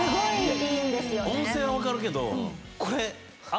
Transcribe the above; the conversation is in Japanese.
温泉は分かるけど。